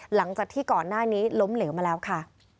หลังจากที่ก่อนหน้านี้ล้มเหลวมาแล้วค่ะ